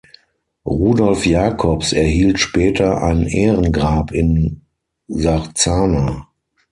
Rudolf Jacobs erhielt später ein Ehrengrab in Sarzana.